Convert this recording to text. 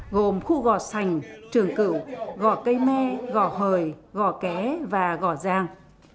gồm khu gò sành trường cửu gò cây me gò hời gò ké và gò giang